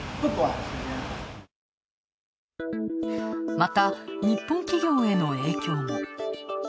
また、日本企業への影響も。